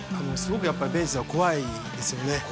すごくやっぱりベースは怖いですよね。